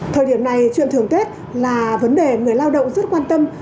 thời điểm này chuyện thường tết là vấn đề người lao động rất quan tâm